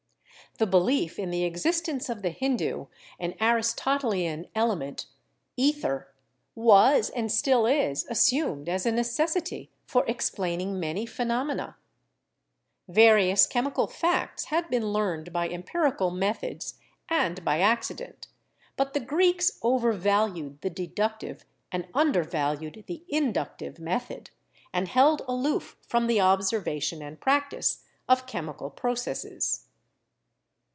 The belief in the existence of the Hindu and Aristote lian element ether was and still is assumed as a necessity for explaining many phenomena. Various chemical facts had been learned by empirical methods and by acci dent, but the Greeks overvalued the deductive and under valued the inductive method, and held aloof from the ob servation and practice of chemical processes.